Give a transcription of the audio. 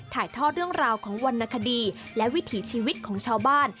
ถ่ายทอดเรื่องราวของวรรณคดีและวิถีชีวิตของชาวบ้าน